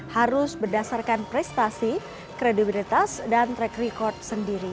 harus berdasarkan prestasi kredibilitas dan track record sendiri